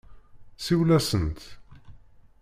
Siwel-asent.